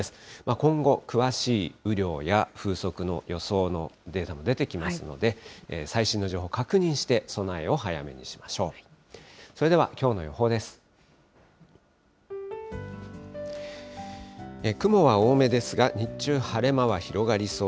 今後、詳しい雨量や風速の予想のデータも出てきますので、最新の情報確認して、備えを早めにしましょう。